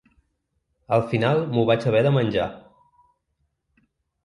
Al final m’ho vaig haver de menjar.